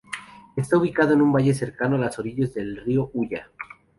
Está ubicado en un valle cercano a las orillas del río Ulla.